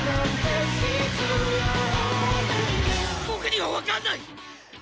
僕には分かんない！